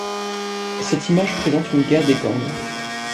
Cette image présente une guerre des gangs.